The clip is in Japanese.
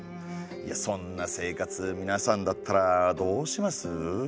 そんな生活みなさんだったらどうします？